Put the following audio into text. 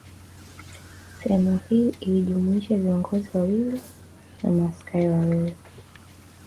Sehemu hii ilijumlisha viongozi wawili na maaskari wawili